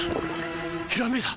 ひらめいた！